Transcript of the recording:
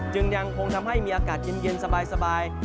ยังคงทำให้มีอากาศเย็นสบาย